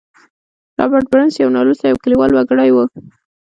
رابرټ برنس يو نالوستی او کليوال وګړی و.